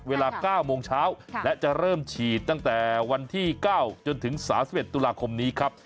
เวลา๙โมงเช้าและจะเริ่มฉีดตั้งแต่วันที่๙จนถึง๓๑ตุลาคมนี้ครับ